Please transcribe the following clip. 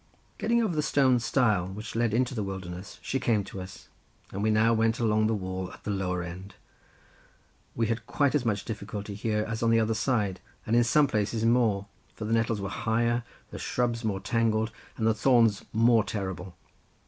Getting over the stone stile, which led into the wilderness, she came to us, and we now went along the wall at the lower end; we had quite as much difficulty here, as on the other side, and in some places more, for the nettles were higher, the shrubs more tangled, and the thorns more terrible.